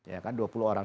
ya kan dua puluh orang